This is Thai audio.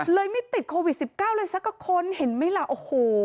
ไม่ติดโควิด๑๙เลยสักคนเห็นไหมล่ะโอ้โห